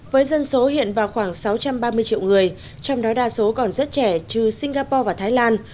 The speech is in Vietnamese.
với dân số hiện vào khoảng sáu trăm ba mươi triệu người trong đó đa số còn rất trẻ trừ singapore và thái lan